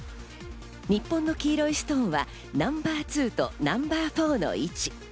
日本の黄色いストーンはナンバー２とナンバー４の位置。